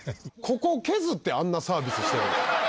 ここを削ってあんなサービスしてるの？